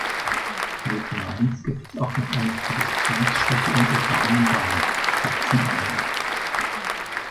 Neben Mainz gibt es auch noch eine Produktionsstätte in Oranienbaum, Sachsen-Anhalt.